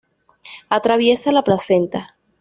Atraviesa la placenta.